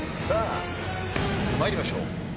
さあ参りましょう。